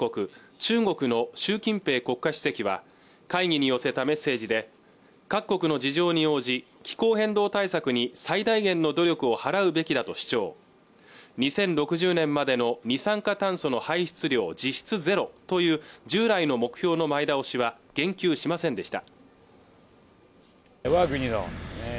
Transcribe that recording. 中国の習近平国家主席は会議に寄せたメッセージで各国の事情に応じ気候変動対策に最大限の努力を払うべきだと主張２０６０年までの二酸化炭素の排出量実質ゼロという従来の目標の前倒しは言及しませんでした